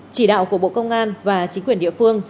chỉ đạo của bộ công an và chính quyền địa phương